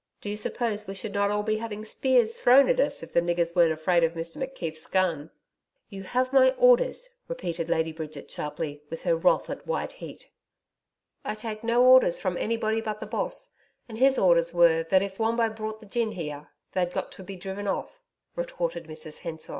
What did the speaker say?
Do you suppose we should not all be having spears thrown at us if the niggers weren't afraid of Mr McKeith's gun?' 'You have my orders,' repeated Lady Bridget sharply, her wrath at white heat. 'I take no orders from anybody but the Boss, and his orders were that if Wombo brought the gin here, they'd got to be driven off,' retorted Mrs Hensor.